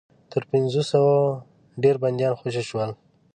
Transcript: تر پنځوسو ډېر بنديان خوشي شول.